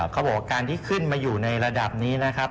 เขาบอกว่าการที่ขึ้นมาอยู่ในระดับนี้นะครับ